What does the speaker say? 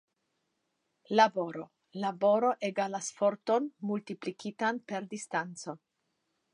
Laboro: Laboro egalas forton multiplikitan per distanco.